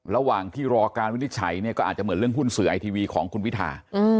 ระหว่างที่รอการวินิจฉัยเนี่ยก็อาจจะเหมือนเรื่องหุ้นสื่อไอทีวีของคุณพิธา